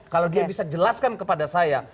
kalau dia bisa jelaskan kepada saya